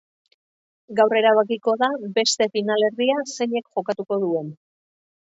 Gaur erabakiko da beste finalerdia zeinek jokatuko duen.